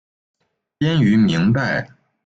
编于明代。